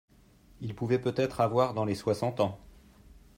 Il pouvait peut-être avoir dans les soixante ans.